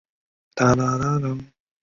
信号肽肽链。